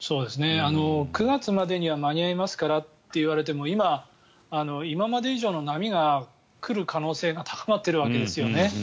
９月までには間に合いますからと言われても今、今まで以上の波が来る可能性が高まっているわけですよね。